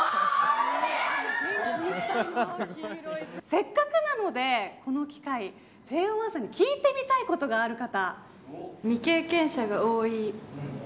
せっかくなのでＪＯ１さんに聞いてみたいことがある方。